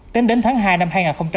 tính đến tháng hai năm hai nghìn hai mươi